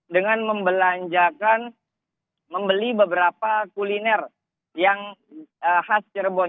dengan membelanjakan membeli beberapa kuliner yang khas cirebon